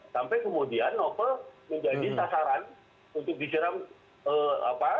sampai kemudian novel menjadi sasaran